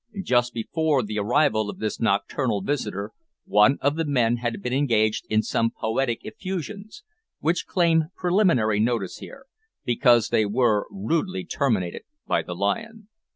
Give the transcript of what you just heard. Just before the arrival of this nocturnal visitor, one of the men had been engaged in some poetic effusions, which claim preliminary notice here, because they were rudely terminated by the lion.